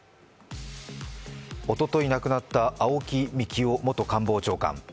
おととい亡くなった青木幹雄元官房長官。